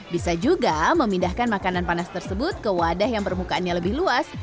bisa juga memindahkan makanan panas tersebut ke wadah yang permukaannya lebih luas